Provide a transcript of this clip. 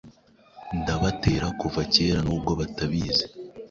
ndabatera kuva kera nubwo batabizi